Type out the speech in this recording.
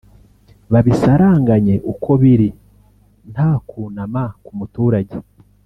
babisaranganye uko biri nta kunama ku muturage